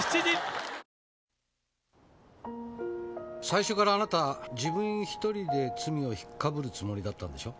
最初からあなた自分１人で罪をひっかぶるつもりだったんでしょ？